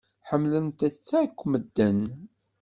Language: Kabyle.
Ḥemmlen-tt akk medden.